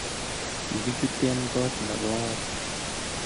Kikichukteech koot nebo aeng.